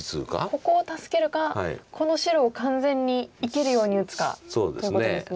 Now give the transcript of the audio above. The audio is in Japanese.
ここを助けるかこの白を完全に生きるように打つかということですね。